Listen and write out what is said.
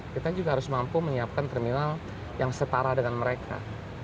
kita juga harus mampu menyiapkan terminal yang setara dengan mereka